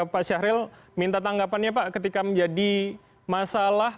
bagaimana anggapannya pak ketika menjadi masalah